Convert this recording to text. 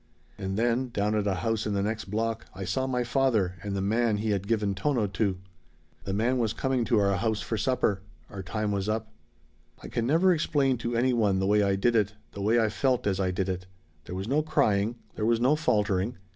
"And then down at a house in the next block I saw my father and the man he had given Tono to. The man was coming to our house for supper. Our time was up. "I can never explain to any one the way I did it the way I felt as I did it. There was no crying. There was no faltering.